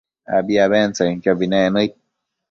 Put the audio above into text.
abi abentsëcquiobi nec nëid